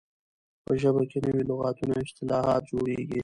په ژبه کښي نوي لغاتونه او اصطلاحات جوړیږي.